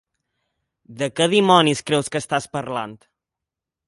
De què dimonis creus que estàs parlant?